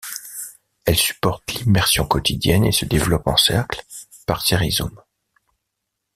Elle supporte l'immersion quotidienne et se développe en cercle, par ses rhizomes.